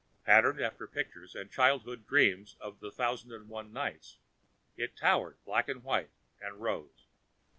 Patterned after pictures and childhood dreams of the Thousand and One Nights, it towered black and white and rose.